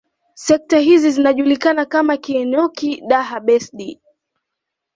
Sekta hizi zinajulikana kama Keekonyokie Daha Besdi